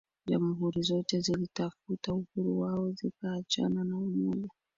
jamhuri zote zilitafuta uhuru wao zikaachana na Umoja